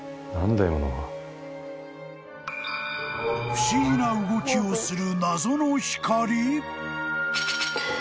［不思議な動きをする］